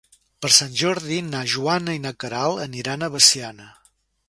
Per Sant Jordi na Joana i na Queralt aniran a Veciana.